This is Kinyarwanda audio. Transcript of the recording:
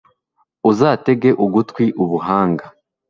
uzatege ugutwi ubuhanga